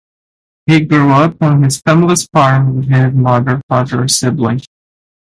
He grew up on his family's farm with his mother, father, and siblings.